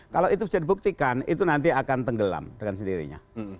kalau itu bisa dibuktikan itu nanti akan tenggelam dengan sendirinya